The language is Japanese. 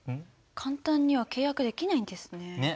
簡単には契約できないんですね。